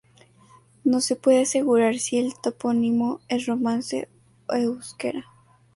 No se puede asegurar si el topónimo es romance o euskera.